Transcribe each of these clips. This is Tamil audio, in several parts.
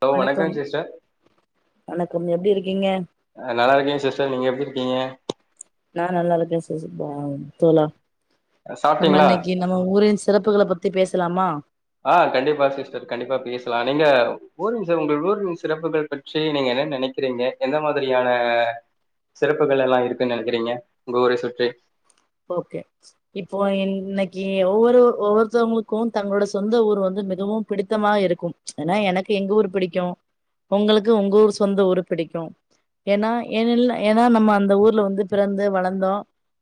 ஹலோ வணக்க வணக்கம் சிஸ்டர் வணக்கம் எப்படி இருக்கீங்க ஹ் நல்லா இருக்க சிஸ்டர் நீங்க எப்படி இருக்கீங்க நான் நல்லா இருக்க சீஸ் ப தோழா நம்ம சாப்ட்டீங்களா இன்னைக்கு நம்ம ஊரின் சிறப்புகள பத்தி பேச லாமா ஆஹ் கண்டிப்பா சிஸ்டர் கண்டிப்பா பேசலா நீங்க ஊரின் உங்கள் ஊரின் சிறப்புகள் பற்றி நீங்க என்ன நினைக்கிறீங்க எந்த மாதிரியான சிறப்புகள் எல்லா இருக்குன்னு நினைக்கிறீங்க உங்க ஊரை சுற்றி ஓக்கே இப்போ இன்னைக்கு ஒவ்வொரு ஒவ்வொருத்தவங்களுக்கு தங்களோட சொந்த ஊர் வந்து மிகவு பிடித்தமாக இருக்கு ஏன்னா எனக்கு எங்க ஊர் பிடிக்கு உங்களுக்கு உங்க ஊர் சொந்த ஊர் பிடிக்கு ஏன்னா ஏன்னா நம்ம அந்த ஊர்ல வந்து பிறந்து வளர்ந்தோ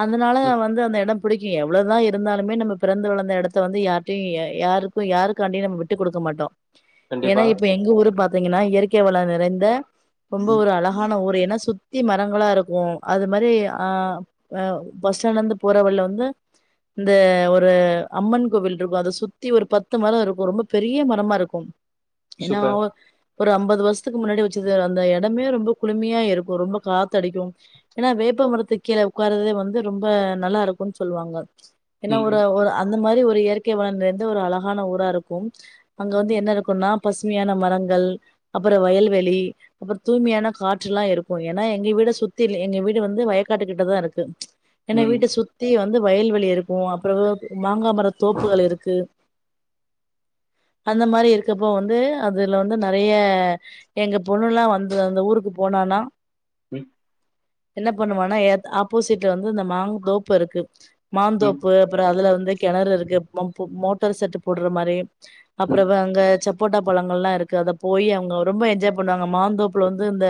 அ அதனால ம் வந்து அந்த இடம் பிடிக்கு எவ்வளோதா இருந்தாலுமே நம்ம பிறந்து வளந்த இடத்த வந்து யார்கிட்டையு யாரு யாருக்காண்டியையு நம்ம விட்டுக்டுக்க மாட்டோ ஏன்னா கண்டிப்பா இப்ப எங்க ஊரு பாத்தீங்கன்னா இயற் [unintelligible] நிறைந்த ரொம்ப ம் ஒரு அழகான ஊர் ஏன்னா சுத் சுத்தி மரங்களா இருக்கு அது மாரி ஹ பஸ் ஸ்டாண்ட்ல இருந்து போற வழில வந்து இந்த ஒரு அம்மன் கோவில் இருக்கு அத சுத்தி ஒரு பத்து மரோ இருக்கு ரொம்ப பெரிய மரமா இருக்கு என்னா சூப்பர் அவ ஒரு ஐம்பது வருஷத்துக்கு முன்னாடி வச்சது அந்த இடமே ரொம்ப குளிமையா இருக்கு ரொம்ப காத்தடிக்கு ஏன்னா வேப்பமரத்து கீழே உட்காறதே வந்து ரொம்ப நல்லா இருக்குன்னு சொல்லுவாங்க என்னா ம் ஒரு ஒரு அ அந்த மாரி ஒரு இயற்கை வளன் இருந்து ஒரு அழகான ஊரா இருக்கும் அங்க வந்து என்ன இருக்கும்னா பசுமையான மரங்கள் அப்புற வயல்வெளி அப்புற தூய்மையான காற்று எல்லா இருக்கு ஏன்னா எங்க வீட சுத்தி எங்க வீடு வந்து வயக்காட்டு கிட்டதா இருக்கு என ம் வீட்ட சுத்தி வந்து வயல்வெளி இருக்கு அப்புற மாங்காமர தோப்புகள் இருக்கு அந்த மாரி இருக்கப்போ வந்து அதுல வந்து நறைய எங்க பொண்ணுல்லா வந்து அந்த ஊருக்கு போனனா உம் என்ன பண்ணுவானா எத் ஆப்போசிட்ல வந்து இந்த மாங் தோப் இருக்கு ம் மாந்தோப்பு அப்புற அதுல வந்து கிணறு இருக்கு பம்ப் மோட்டார் செட் போடுற மாரி ம் அப்புறவ அங்க சேப் சாப்போட்டா பழங்கள்லா இருக்கு அத போய் அவங்க ரொம்ப என்ஜாய் பண்ணுவாங்க மாந்தோப்ல வந்து இந்த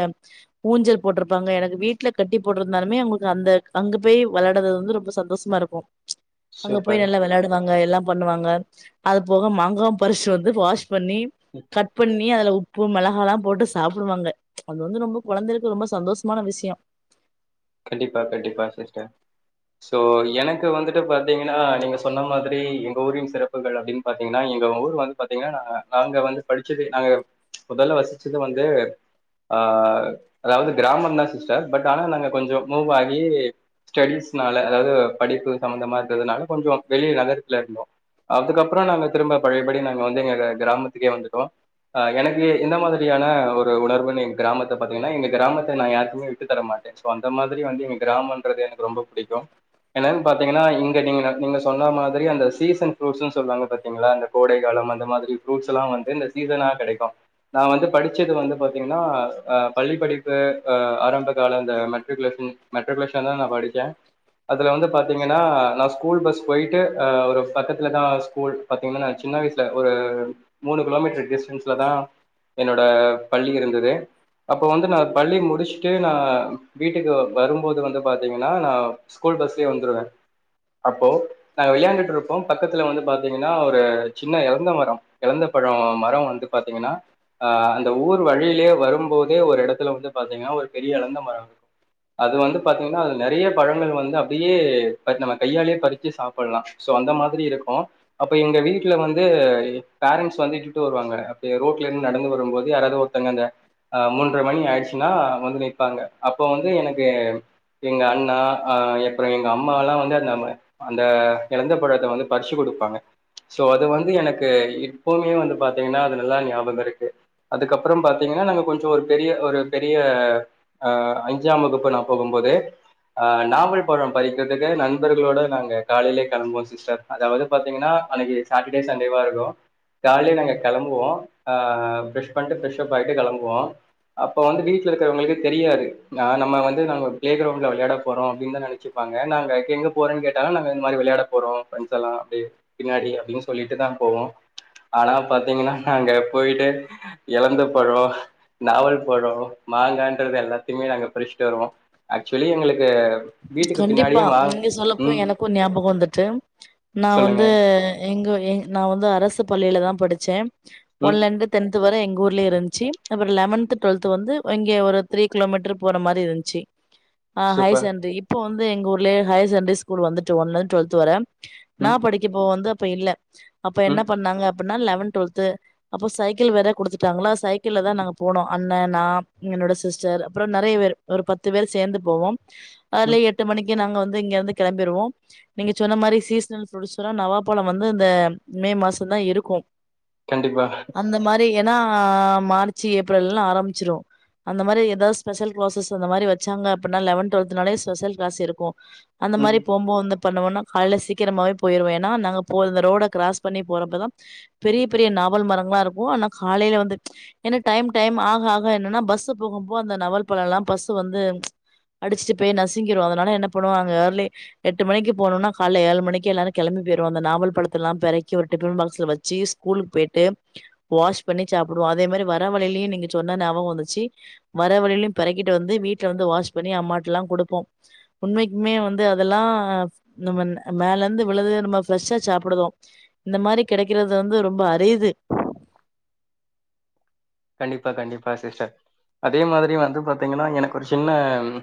ஊஞ்சல் போட்டிருப்பாங்க எனக்கு வீட்டுல கட்டி போட்டிருந்தாலுமே அவங்களுக்கு அந்த அங்க போய் விளையாடுறது வந்து ரொம்ப சந்தோஷமா இருக்கு அங்க போய் சூப்பர் ம் நல்லா விளாடுவாங்க எல்லாம் பண்ணுவாங்க அது போக மங்குவு பறிச்சுட்டு வந்து வாஷ் பண்ணி கட் பண்ணி அதுல உப்பு மிளகால்லா போட்டு சாப்பிடுவாங்க அது வந்து ரொம்ப குழந்தைகளுக்கு ரொம்ப சந்தோஷமான விஷய கண்டிப்பா கண்டிப்பா சிஸ்டர் சோ எனக்கு வந்துட்டு பாத்தீங்கன்னா நீங்க சொன்ன மாதிரி எங்க ஊரின் சிறப்புகள் அப்படின்னு பாத்தீங்கன்னா எங்க ஊர் வந்து பாத்தீங்கன்னா நாங்க வந்து படிச்சது நாங்க முதல்ல வசிச்சது வந்து ஆஹ் அதாவது கிராமம்தா சிஸ்டர் பட் ஆனா நாங்க கொஞ்சோ மூவ் ஆகி ஸ்டடிஸ்னால அதாவது படிப்பு சம்மந்தமா இருந்ததுனால கொஞ்ச வெளிய நகரத்துல இருந்தோ அதுக்கப்புற நாங்க திரும்ப பழையபடி நாங்க வந்து எங்க கிராமத்துக்கே வந்துட்டோ எனக்கு இந்த மாதிரியான ஒரு உணர்வுன்னு எங்க கிராமத்தை பாத்தீங்கன்னா எங்க கிராமத்த நான் யாருக்குமே விட்டு தர மாட்ட சோ அந்த மாதிரி வந்து கிராம்ன்றது எனக்கு ரொம்ப புடிக்கு என்னனு பாத்தீங்கன்னா இங்க நீங்க நீங்க சொன்ன மாதிரி அந்த சீசன் ஃப்ரூட்ஸு சொல்லுவாங்க பாத்திங்களா இந்த கோடை காலம் அந்த மாதிரி ஃப்ரூட்ஸ்ல வந்து இந்த சீசனா கிடைக்கு நான் வந்து படிச்சது வந்து பாத்தீங்கன்னா ஹ பள்ளி படிப்பு ஹ ஆரம்ப கால அந்த மே மெட்ரிகுலேஷன் மெட்ரிகுலேஷன் தான் நா படிச்ச அதுல வந்து பாத்தீங்கன்னா நான் ஸ்கூல் பஸ் போயிட்டு ஹ ஒரு பக்கத்தில் தான் ஸ்கூல் பாத்தீங்கன்னா நான் சின்ன வயசுல ஒரு மூணு கிலோமீட்டர் டிஸ்டன்ஸல தான் என்னோட பள்ளி இருந்தது அப்போ வந்து நான் பள்ளி முடிச்சுட்டு நா வீட்டுக்கு வரும்போது வந்து பாத்தீங்கன்னா நான் ஸ்கூல் பஸ்லயே வந்துருவ அப்போ நா விளையாண்டுட்டு இருப்போ பக்கத்தில் வந்து பாத்தீங்கன்னா ஒரு சின்ன இழந்த மர இழந்த பழ மர வந்து பாத்தீங்கன்னா ஹ் அந்த ஊர் வழியிலயே வரும்போதே ஒரு இடத்துல வந்து பாத்தீங்கன்னா ஒரு பெரிய இழந்த மர இரு அது வந்து பாத்தீங்கன்னா அது நறைய பழங்கள் வந்து அப்டியே நம்ம கையாலேயே பறிச்சு சாப்பிடலா சோ அந்த மாதிரி இருக்கு அப்ப எங்க வீட்டுல வந்து பேரன்ட்ஸ் வந்து இட்டுட்டு வருவாங்க அப்படிய ரோட்ல இருந்து நடந்து வரும்போது யாராவது ஒருத்தங்க அ இந்த அஹ் மூன்றுரை மணி ஆயிடுச்சுன்னா வந்து நிப்பாங்க அப்போ வந்து எனக்கு எங்க அண்ணா அஹ் அப்றோ எங்க அம்மா எல்லா வந்து அந்த அந்த எழந்த பழத்த வந்து பறிச்சு கொடுப்பாங்க சோ அது வந்து எனக்கு இப்பவுமே வந்து பாத்தீங்கன்னா அது நல்லா நியாபகம் இருக்கு அதுக்கப்றோ பாத்தீங்கன்னா நங்க கொஞ்சோ ஒரு பெரிய ஒரு பெரிய ஆ அஞ்சாம் வகுப்பு நா போகும்போதே ஆஹ் நாவல் பழம் பறிக்கிறதுக்கு நண்பர்களோட நாங்க காலைலே கெளம்புவோ சிஸ்டர் அதாவது பாத்தீங்கன்னா அன்னைக்கு சாட்டர்டே சண்டேவா இருக்கு காலைல நாங்க கெளம்புவோ ஆ ப்ரெஷ் பண்ணிட்டு ப்ரஷ்ஷப் ஆயிட்டு கெளம்புவோ அப்போ வந்து வீட்ல இருக்றவங்களுக்கு தெரியாது நா நம்ம வந்து நம்ம பிலே கிரவ்ன்ட் விளையடபோறோ அப்டின்னு நெனச்சுப்பாங்க நாங்க எங்க போறனு கேட்ட நாங்க இந்தமாரி விளையாட போறோ ப்ரெண்ட்ஸ் எல்லா அப்டி பின்னாடி அப்டினு சொல்லிட்டுதா போவோ ஆனா பாத்திகனா நாங்க போய்ட்டு எழந்த பழ நாவல் பாழ மாங்கான் க்றத எல்லாத்தையுமே நாங்க பருச்சுட்டு வருவோ ஏக்சுலி எங்களுக் கண்டிப்பா நீங்க சொல்லப்போய் ம் எனக்கு நியாபகம் வந்துட்டு நா சொல்லுங்க வந்து எங்க எ நா வந்து அரஸ் அரசு பள்ளில தா படுச்சே ம் ஒன்லிந்து டென்த் வர எங்க ஊர் [unintelligible] அப்றோ லெவன்த் டுவெல்த் வந்து இங்க ஒரு த்ரீ கிலோமீட்டர் போற மாரி இருந்ச்சு ஆஹ் சூப்பர் ஹய்சேன் வந்து எங்க ஊர்லே ஹையர் சகண்ட்ரி ஸ்கூல் வந்துட்டு ஒன்லந்து டுவெல்த் வர நா ம் படிக்கப்போ வந்து இப்ப இல்ல அப்ப என்ன ம் பண்ணாங்க அப்பன்னா லவன் டுவெல்த்து அப்போ சைக்கிள் வேற குடுத்துட்டாங்களா சைக்கிள்ளதா நாங்க போனோ அண்ணா நா எங்களோட சிஸ்டர் அப்றோ நெறைய பேரு ஒரு பத்து பேர் சேந்து போவோ ஏர்லி ம் எட்டு மணிக் கி நாங்க வந்து இங்க இருந்து கெளம்பிருவோ நீங்க சொன்ன மாரி சீஸ்னல் ஃபுரூட்ஸலா நவாப்பழ வந்து இந்த மே மாசதா இருக்கு கண்டிப்பா நா மார்சு ஏப்ரல்னு ஆரம்ச்சிரு அந்த மாரி எதாவ்து ஸ்பெஷல் கிளாஸ்ஸஸ் அந்த மாரி வச்சாங்க அப்பிட்னா லவன் டுவெல்த்துனாலே ஸ் பெசல் கிளாஸ் இருக்கு அந்த ம் மாரி போம்போ அந்த தண்ணுவோனா காலைல சீக்கிரமாவே போயிருவே ஏனா நாங்க போய் இந்த ரோட கிராஸ் பண்ணி போறப்பதா பெரிய பெரிய நாவல் மரங்களா இருக்கு ஆனா காலைல வந்து ஏனா டைம் டைம் ஆக ஆக என்னன்னா பஸ் போகும்போ அந்த நவல் பழல்லா பஸ்சு வந்து அடிச்சுட்டு போய் நசிக் துங்கிருவோ அதனால என்ன பண்ணுவ அங்க ஏர்லி எட்டு மணிக்கு போனோனா கால்ல ஏழு மணிக்கு எல்லாரு கெளம்பி போயிருவாங்க நாவல் பழத்தலா பெறக்கி ஒரு டிப்பன் பாக்ஸ்ல வச்சு ஸ்கூலுக்கு போயிட்டு வாஷ் பண்ணி சாப்டுவோ அதே மாரி வர வழிலயு நீங்க சொன்ன ஞாபக வந்துச்சு வர வழிலயு பெறக்கிட்டு வந்து வீட்ல வந்து வாஷ் பண்ணி அம்மாட்லா குடுப்போ உண்மைக்குமே வந்து அதெல்லா நம்ம மேல இருந்து விழுது நம்ம ஃப்ரெஷ்ஷா சாப்பிடுதோ இந்த மாரி கெடைக்கிறது வந்து ரொம்ப அரிது கண்டிப்பா கண்டிப்பா சிஸ்டர் அதே மாதிரி வந்து பாத்தீங்கனா எனக்கு ஒரு சின்ன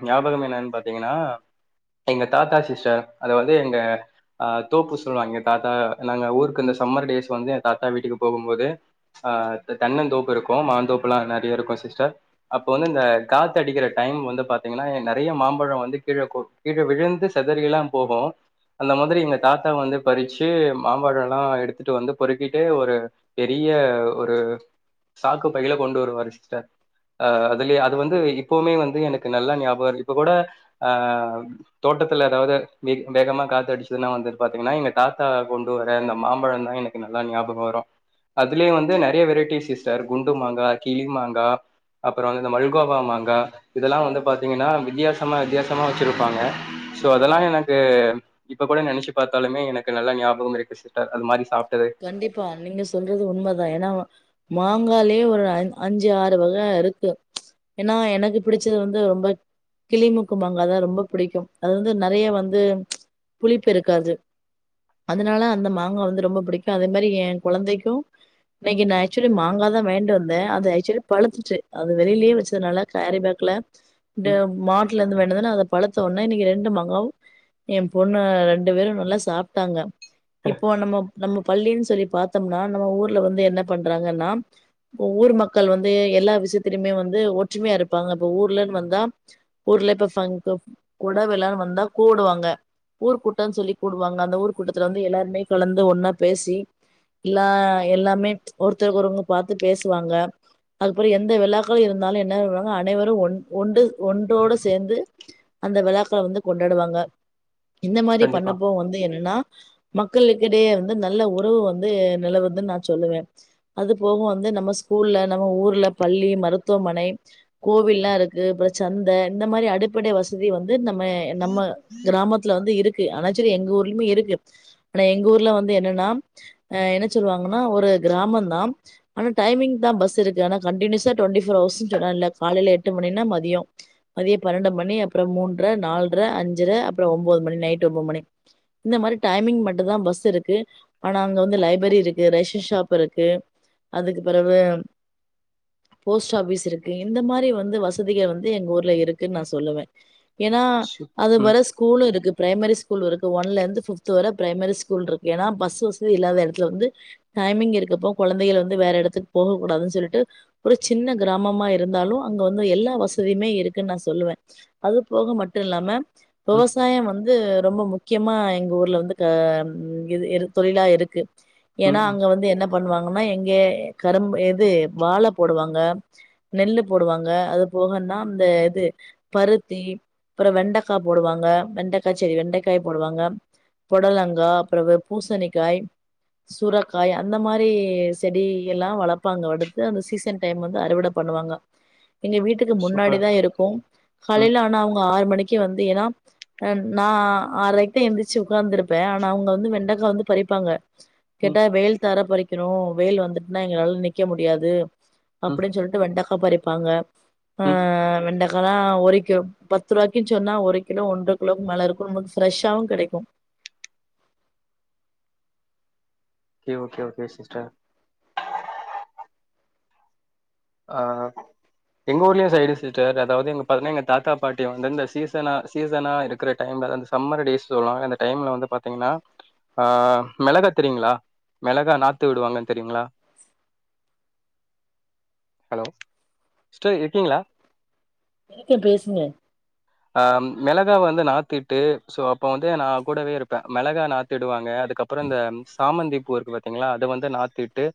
ஞாபகம் என்னன் பாத்தீங்கனா எங்க தாத்தா சிஸ்டர் அதாவ்து எங்க அஹ் தோப்பு சொல்லுவாங்க தாத்தா நாங்க ஊருக்கு இந்த சம்மர் டேஸ் வந்து எ தாத்தா வீட்டுக்கு போகும்போது ஆஹ் தென்னந்தோப்பு இருக் இப்போ மாந்தோப்புலா நெறைய இருக்கு சிஸ்டர் அப்போ வந்து இந்த காத்தடிக்கிற டைம் வந்து பாத்தீங்கனா மாம்பழ வந்து கீழ கொட் கீழ விழுந்து செதறியெல்லா போகு அந்த மாதிரி எங்க தாத்தா வந்து பறிச்சு மாம்பழலா எடுத்துட்டு வந்து பொறுக்கிட்டு ஒரு பெரிய ஒரு சாக்கு பையில கொண்டு வருவாரு சிஸ்டர் அஹ் அதுலே அது வந்து இப்பவுமே வந்து எனக்கு நல்லா ஞாபக இருக்கு இப்ப கூட ஆஹ் தோட்டத்துல எதாவ்து வேக் வேகமா காத்தடிச்சுதுனா வந்து பாத்தீங்கனா எங்க தாத்தா கொண்டு வர அந்த மாம்பழந்தா எனக்கு நல்லா ஞாபக வரு அதுலே வந்து நெறையா வெரைட்டி சிஸ் டர் குண்டு மாங்கா கிளி மாங்கா அப்றோ வந் இந்த மல்கோவா மாங்கா இதெல்லா வந்து பாத்தீங்கனா வித்தியாசமா வித்தியாசமா வச்சிருப்பாங்க சோ அதெல்லா எனக்கு இப்ப கூட நெனச்சு பாத்தாலுமே எனக்கு நல்லா ஞாபகம் இருக்கு சிஸ்டர் அது மாரி சாப்ட் கண்டிப்பா நீங்க சொல்றது உண்மதா ஏனா வ மாங்காலே ஒரு அன் அஞ்சு ஆறு வக இருக்கு ஏனா எனக்கு பிடிச்சது வந்து ரொம்ப கிளிமூக்கு மாங்காதா ரொம்ப புடிக்கு அது வந்து நெறையா வந்து புளிப்பு இருக்காது அதுனால அந்த மாங்கா வந்து ரொம்ப புடிக் கு அதே மாரி எ கொழந்தைக்கு இன்னைக்கி நா அக்சுவலி மாங்காதா வாய்ன்டு வந்தே அது ஆக்சுவலி பழுத்துச்சு அது வெளிலே வச்சதுனால கேரி பேக்ல டே ம் மான் ட்ல இருந்து வாய்ன்டு வந்தோன அத பழுத்தோன இன்னைக்கு ரெண்டு மாங்காவு எ பொண்ணு ரெண்டு பேரு நல்லா சாப்ட்டாங்க இப்போ நம்ம நம்மப் பள்ளின் சொல்லி பாத்தம்னா நம்ம ஊர்ல வந்து என்ன பண்றாங்கன்னா இப்ப ஊர் மக்கள் வந்து எல்லா விஷ்யத்துலைமே வந்து ஒற்றுமையா இருப்பாங்க இப்ப ஊர்லனு வந்தா ஊர்ல இப்ப ஃபங்க் [unintelligible] கொட விழானு வந்தா கூடுவாங்க ஊர் கூட்டன் சொல்லி கூடுவாங்க அந்த ஊர் கூட்டத்துல வந்து எல்லாருமே கலந்து ஒன்னாப் பேசி இல்லா எல்லாமே ஒருத்தருக்கொருவங்க பாத்து பேசுவாங்க அதுப்பற எந்த விழாக்கு இருந்தாலு என்ன பண்ணுவாங்க அனைவரு ஒன் ஒண்டு ஒன்டோடு சேந்து அந்த விழாக்கள வந்து கொண்டாடுவாங்க இந்த மாரி கண்டிப்பா பண்ணப்போ வந்து என்னா மக்களுக்கிடையே வந் ந்து நல்ல ஒறவு வந்து நிலவுதுன் நா சொல்லுவே அது போக வந்து நம்ம ஸ்கூல்ல நம்ம ஊர்ல பள்ளி மருத்துவமனை கோவில்லா இருக்கு அப்ற சந்த இந்த மாரி அடிப்படை வசதி வந்து இந்தம் மே நம்ம கிராமத்து துல வந்து இருக்கு ஆனா செரி எங்க ஊர்லிமே இருக்கு லே எங்க ஊர்ல வந் து என்னன்னா ஆஹ் என்ன சொல்வாங்கனா ஒரு கிராமந்தா ஆனா டைமிங்க்கு தா பஸ் இருக்கு‌ ஆனா கன்டினியுவசா டொன்டி ஃபோர் அவர்சு சொல்றால காலைல எட்டு மணினா மதிய மதிய பன்னெண்டு மணி அப்றோ மூன்ர நால்ர அஞ்சர அப்றோ ஒம்போது மணி நைட் ஒம்போது மணி இந்த மாரி டைமிங் மட்டு தா பஸ் இருக்கு ஆனா அங்க வந்து லைபேரி இருக்கு ரேஷன் ஷாப் இருக்கு அதுக்கு பெறவு போஸ்ட் ஆஃபீஸ் இருக்கு இந்த மாரி வந்து வசதிக வந்து எங்க ஊர்ல இருக்குன் நா சொல்லுவே ஏனா சு அது ம் வர ஸ்கூலு இருக்கு ப்ரைமரி ஸ் கூல் இருக்கு ஒன்ல இருந்து ஃபிப்த்து வர ப்ரைமரி ஸ்கூல் இருக் ஏனா பஸ் வசதி இல்லாத எடத்துல வந்து டைமிங் இருக்கப்போ கொழந்தைகள் வந்து வேற எடத்துக்கு போக கூடாதுன் சொல்லிட்டு ஒரு சின்ன கிராமமா இருந்தாலு அங்க வந்து எல்லா வசதியுமே இருக்குன் நா சொல்லுவே அது போக மட்டு இல்லாம ம் விவசாயம் வந்து ரொம்ப முக் க்கியமா எங்க ஊர்ல வந்து கார் உம் இது எரு தொழிலா இருக்கு ம் ஏனா ம் அங்க வந்து என்ன பண்ணுவாங்கனா எங் ஏ கரும்பு எது வாழ போடுவாங்க நெல்லு போடுவாங்க அது போகன்னா அந்த இது பருத்தி அப்ற வெண்டக்கா போடுவாங்க வெண்டக்காச் செடி வெண்டைக்காய் போடுவாங்க பொடலங்கா அப்ற ஒ பூசணிக்காய் சுரக்காய் அந்த மாரி செடிய எல்லாம் வளப்பாங்க அடுத்து அந்த சீசன் டைம் வந்து அறுவட பண்ணுவாங்க எங்க வீட்டுக்கு சூப்பர் முன்னாடிதான் இருக்கும் ம் காலையல ஆனா அவங்க ஆறு மணிக் வந்து ஏன்னா நான் ஆர்ரைக்கு எழுந்திச்சு உட்கார்ந்துருப்பேன் ஆனா அவங்க வந்து வெண்ட வந்து பறிப்பாங்க ம் கேட்டா வெயில் தார பறிக் ம் வெயில் வந்துட்டுன்னா எங்களால நிக்க முடியாது ம் அப்டின்னு சொல்லிட்டு வெண்டக்கா பறிப் ப்பாங்க ம் ஆஹ் வெண்ட அல்லாம் ஒரு கிலோ பத்து ரூபாய்க்கு சொன்னா ஒரு கிலோ ஒன்ற கிலோக்கு மேல இருக்கும் ஃப்ரெஷ்ஷாவும் கெடைக்கும் ஓகே ஓகே சிஸ்டர் அஹ் எங்க ஊர்லயும் சைடு சிஸ்டர் அதாவது எங்க பாத்தீங்கன்னா எங்க தாத்தா பாட்டி வந்து இந்த சீசனா சீசனா இருக்கிற டைம்ல அந்த சம்மர் டேஸ் சொல்லுவாங்க அந்த டைம்ல வந்து பாத்தீங்கன்னா ஆஹ் மெளகா தெரியுங்களா மெளகா நாத்து விடுவாங்கன்னு தெரியுங்களா ஹலோ சிஸ்டர் இருக்கீங்களா நீங்க பேசுங்க ஆஹ் மெளகாய வந்து நாத்திட்டு சோ அப்ப வந்து நான் கூடவே இருப்பேன் மெளகா நாத்திடுவாங்க க்கு அப்பறோ இந்த சாமந்திப் [unintelligible] பாத்தீங்களா அதது வந்து நாத்திட்டு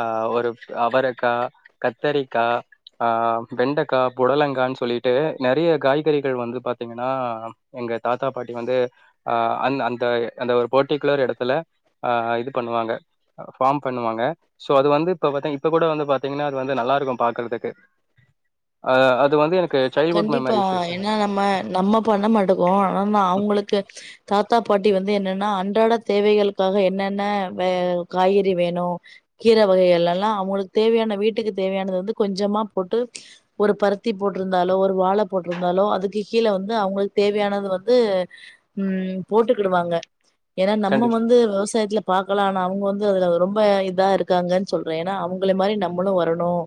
ஆ ஒரு அவரக்கா கத்தரிக்கா ஆஹ் வெண்டக்கா புடலங்கானு சொல்லிட்டு நெறைய காய் வந்து பாத்தீங்கன்னா எங்க தாத்தா பாட்டி வந்து அஹ் அந்த அந்த ஒரு படிகுலர் இடத்துல ஆ இது பண்ணுவாங்க பார்ம் பண்ணுவாங்க அது வந்து இப்ப கூட வந்து பாத்திங்கன்னா நல்லா இருக்கும் பாக்குறதுக்கு அஹ் அது வந்து எனக் சைல்டுஹுட் கண்டிப்பா மெமரிஸ் ஏன்னா நம்ம நம்ம பண்ண மாட்டுக்கோ ஆனா அவங்களுக்கு தாத்தா பாட்டி வந்து என்னன்னா அன்றாட தேவைகளுக்காக என்னன்ன வே காய்கறி வேணு கீர வகைகல் எல்லா அவுங்களுக்கு தேவையான வீட்டுக்கு தேவையானது வந்து கொஞ்சமா போட்டு ஒரு பருத்தி போட் இருந்தாலோ ஒரு வாழ போட்டிருந்தாலோ அதுக்கு கீழ வந்து அவங்களுக்கு தேவையானது வந்து உஹம் போட்டுக்கிடுவாங்க ஏன்னா நம்ம கண்டிப் வந்து விவசாயத்துல பா மக்களனா அவங்க வந்து அதுல ரொம்ப இதா இருக்காங்கன்னு சொல்றேன் ஏன்னா அவங்கள மாதிரி நம்மளும் வரணும்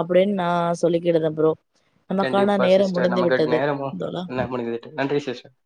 அப்படின்னு நான் சொல்லிக்கிடுதேன் ப்ரோ நமக்கான கண்டிப்பா நேரம் சிஸ்டர் முடிந்து நமக்கு விட்டது நேரமும் தோழா என்ன முடிஞ்சிட்டு நன்றி சிஸ்டர்